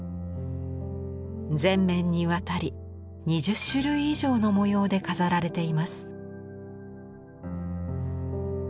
全面にわたり２０種類以上の模様で飾られています。